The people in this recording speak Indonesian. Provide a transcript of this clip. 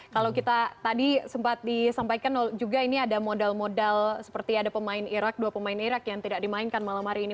kalau kita tadi sempat disampaikan juga ini ada modal modal seperti ada pemain irak dua pemain irak yang tidak dimainkan malam hari ini